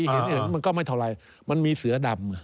เห็นมันก็ไม่เท่าไรมันมีเสือดำ